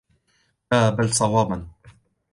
لَا بَلْ صَوَابًا